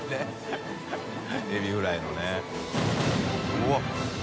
うわっ！